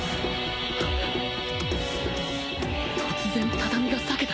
堝輿畳が裂けた